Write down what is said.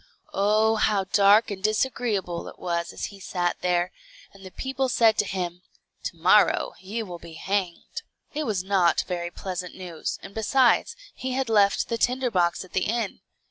Oh, how dark and disagreeable it was as he sat there, and the people said to him, "To morrow you will be hanged." It was not very pleasant news, and besides, he had left the tinder box at the inn.